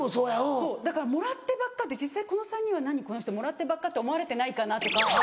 そうだからもらってばっかで実際この３人は「何この人もらってばっか」って思われてないかな？とか。